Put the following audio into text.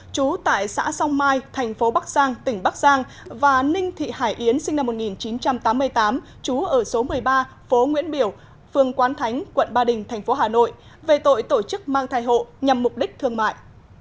chú tại xã song mai thành phố bắc giang tỉnh bắc giang và ninh thị hải yến sinh năm một nghìn chín trăm tám mươi tám trú ở số một mươi ba phố nguyễn biểu phường quán thánh quận ba đình thành phố hà nội về tội tổ chức mang thai hộ nhằm mục đích thương mại